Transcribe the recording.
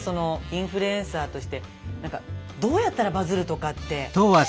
インフルエンサーとしてどうやったらバズるとかって。